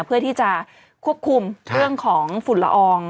เพื่อที่จะควบคุมเรื่องของฝุ่นละออง